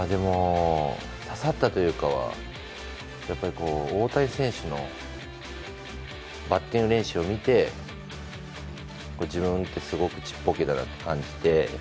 刺さったというかやっぱり大谷選手のバッティング練習を見て自分ってすごくちっぽけだなって感じて。